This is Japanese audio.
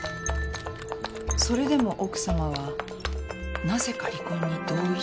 それでも奥さまはなぜか離婚に同意しないか。